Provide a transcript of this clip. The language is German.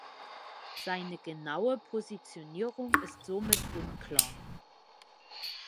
Seine genaue Positionierung ist somit unklar.